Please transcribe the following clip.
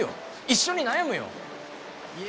一緒に悩むよ！